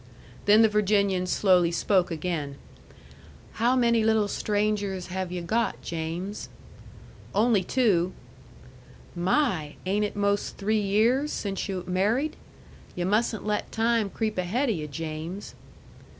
Then the Virginian slowly spoke again: "How many little strangers have yu' got, James?" "Only two." "My! Ain't it most three years since yu' maried? Yu' mustn't let time creep ahaid o' yu', James."